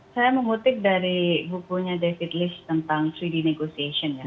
saya mengutip dari bukunya david list tentang tiga d negotiation